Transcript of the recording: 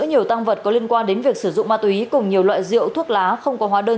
nhiều tăng vật có liên quan đến việc sử dụng ma túy cùng nhiều loại rượu thuốc lá không có hóa đơn